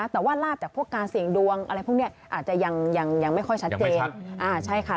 แต่ว่าลาบจากพวกการเสี่ยงดวงอะไรพวกนี้อาจจะยังไม่ค่อยชัดเจนใช่ค่ะ